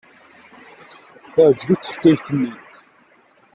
Teɛjeb-it teḥkayt-nni.